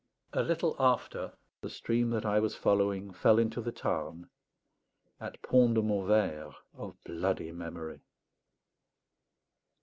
A little after, the stream that I was following fell into the Tarn at Pont de Montvert of bloody memory.